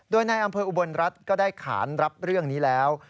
โดยในอำเภออุบลรัฐก็ได้ขานรับเรื่องนี้แล้ว